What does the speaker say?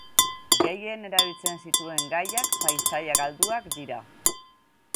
Gehien erabiltzen zituen gaiak paisaia galduak dira.